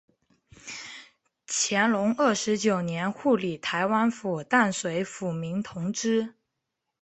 乾隆二十九年护理台湾府淡水抚民同知。